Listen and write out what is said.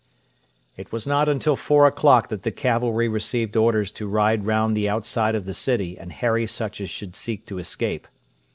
It was not until four o'clock that the cavalry received orders to ride round the outside of the city and harry such as should seek to escape.